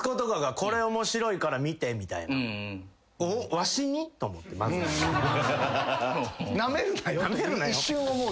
「これ面白いから見て」っていう。